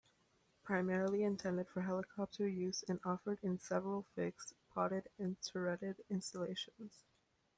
Primarily intended for helicopter use and offered in several fixed, podded, and turreted installations.